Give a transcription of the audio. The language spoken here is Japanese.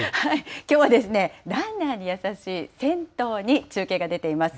きょうは、ランナーに優しい銭湯に中継が出ています。